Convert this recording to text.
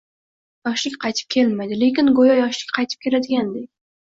Yoshlik qaytib kelmaydi. Lekin go’yo yoshlik qaytib kelgandagidek